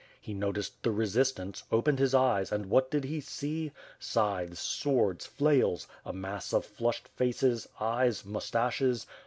He noticed the resistance, opened his eyes, and what did he see? Scythes, swords, flails, a mass of flushed faces, eyes, moustaches.